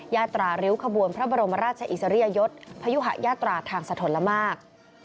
ยาตราริ้วขบวนพระบรมราชอิสริยยศพยุหะยาตราทางสะทนละมาก